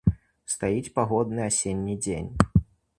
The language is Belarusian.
Стаіць пагодны асенні дзень.